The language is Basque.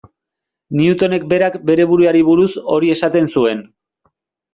Newtonek berak bere buruari buruz hori esaten zuen.